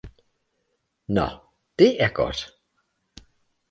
Naa, det er godt!